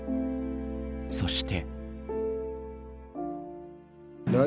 そして。